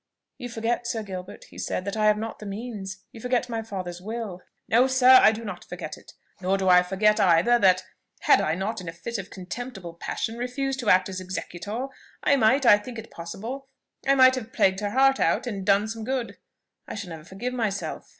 "You forget, Sir Gilbert," he said, "that I have not the means: you forget my father's will." "No, sir; I do not forget it. Nor do I forget either that, had I not in a fit of contemptible passion refused to act as executor, I might, I think it possible, I might have plagued her heart out, and so done some good. I shall never forgive myself!"